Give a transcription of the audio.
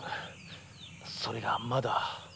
それがまだ。